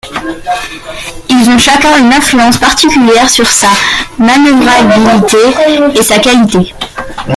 Ils ont chacun une influence particulière sur sa manœuvrabilité et sa qualité.